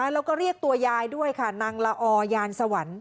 แล้วก็เรียกตัวยายด้วยค่ะนางละออยานสวรรค์